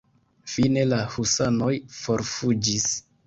Fine la husanoj forfuĝis.